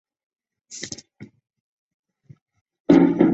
尖腹园蛛为园蛛科园蛛属的动物。